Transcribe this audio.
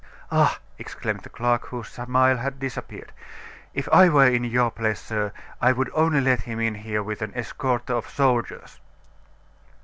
"Ah!" exclaimed the clerk, whose smile had disappeared, "If I were in your place, sir, I would only let him in here with an escort of soldiers."